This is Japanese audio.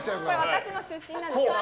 私の出身なんですけど。